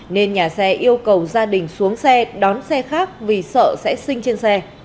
nên nhà xe yêu cầu gia đình xuống xe đón xe khác vì sợ sẽ sinh trên xe